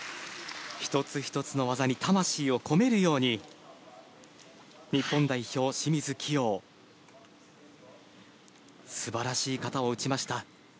１つ１つの技に魂を込めるように日本代表、清水希容素晴らしい形を打ちました。